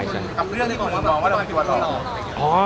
กับเรื่องที่คุณเห็นมองว่าเราเป็นตัวหล่อ